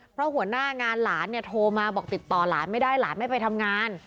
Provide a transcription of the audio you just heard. เพราะหัวหน้างานหลานเนี่ยโทรมาบอกติดต่อหลานไม่ได้หลานไม่ไปทำงาน